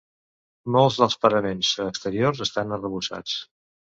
Molts dels paraments exteriors estan arrebossats.